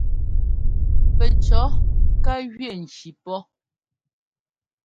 Pɛcʉ̈ ká jʉɛ ŋcí pɔ́.